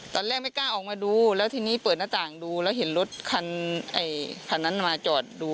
ตอนแรกไม่กล้าออกมาดูแล้วทีนี้เปิดหน้าต่างดูแล้วเห็นรถคันนั้นมาจอดดู